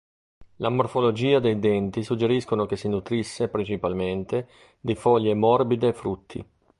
La morfologia dei denti suggeriscono che si nutrisse principalmente di foglie morbide e frutti.